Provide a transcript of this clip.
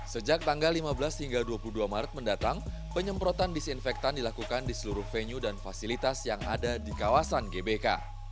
sejak tanggal lima belas hingga dua puluh dua maret mendatang penyemprotan disinfektan dilakukan di seluruh venue dan fasilitas yang ada di kawasan gbk